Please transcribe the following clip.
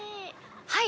はい。